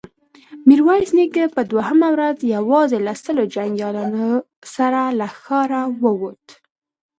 ميرويس نيکه په دوهمه ورځ يواځې له سلو جنګياليو سره له ښاره ووت.